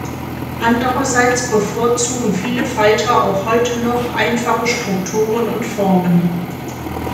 Andererseits bevorzugen viele Falter auch heute noch einfache Strukturen und Formen.